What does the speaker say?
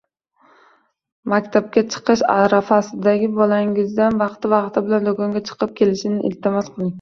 Maktabga chiqish arafasidagi bolangizdan vaqti-vaqti bilan do‘konga chiqib kelishini iltimos qiling.